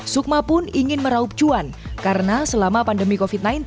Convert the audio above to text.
sukma pun ingin meraup cuan karena selama pandemi covid sembilan belas